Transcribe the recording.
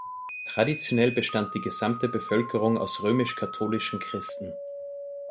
Traditionell bestand die gesamte Bevölkerung aus römisch-katholischen Christen.